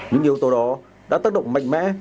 những yếu tố đó đã tác động mạnh mẽ